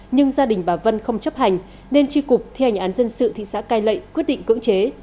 nhưng gia đình bà vân không chấp hành nên tri cục thi hành án dân sự thị xã cai lệ quyết định cưỡng chế